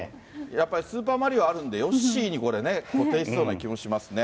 やっぱりスーパーマリオ、ヨッシーにこれね、固定しそうな気もしますね。